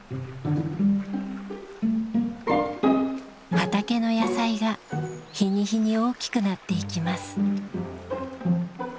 畑の野菜が日に日に大きくなっていきます。